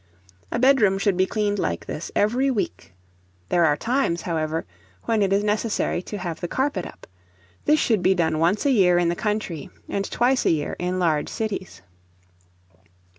A bedroom should be cleaned like this every week. There are times, however, when it is necessary to have the carpet up; this should be done once a year in the country, and twice a year in large cities.